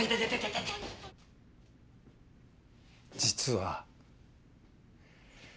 実は。